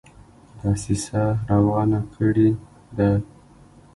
دسیسه روانه کړي ده.